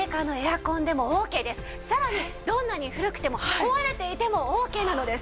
さらにどんなに古くても壊れていてもＯＫなのです。